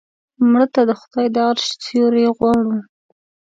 مړه ته د خدای د عرش سیوری غواړو